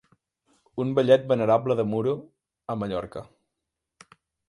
Un vellet venerable de Muro, a Mallorca.